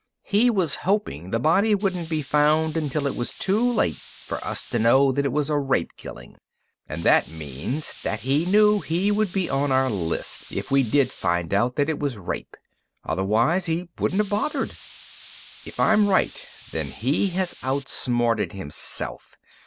"He was hoping the body wouldn't be found until it was too late for us to know that it was a rape killing. And that means that he knew that he would be on our list if we did find out that it was rape. Otherwise, he wouldn't have bothered. If I'm right, then he has outsmarted himself.